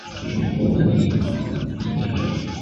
کورنۍ پټ عمل کوي د شرم-